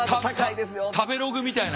食べログみたいな。